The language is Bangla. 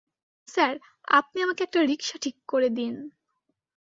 স্যার, আপনি আমাকে একটা রিকশা ঠিক করে দিন।